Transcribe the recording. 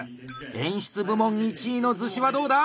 演出部門１位の厨子はどうだ⁉